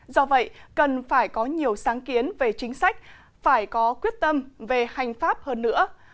do vậy cần phải có nhiều sáng kiến về chính sách phải có quyết tâm về hành pháp hơn nữa